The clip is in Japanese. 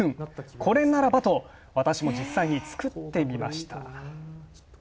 これならばと私も実際に作ってみました。